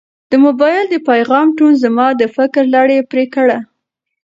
د موبایل د پیغام ټون زما د فکر لړۍ پرې کړه.